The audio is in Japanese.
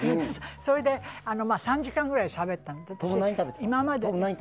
それで、３時間ぐらいしゃべったの。